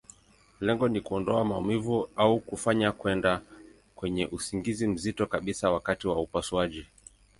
Lengo ni kuondoa maumivu, au kufanya kwenda kwenye usingizi mzito kabisa wakati wa upasuaji.